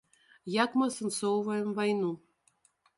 Як мы асэнсоўваем вайну?